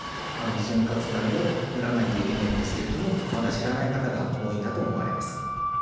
潤滑剤を塗らないといけないんですけれどもまだ知らない方が多いんだと思われます。